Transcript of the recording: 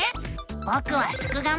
ぼくはすくがミ！